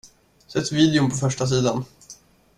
Sätt videon på förstasidan.